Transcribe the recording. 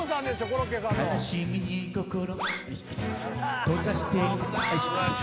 コロッケさんの。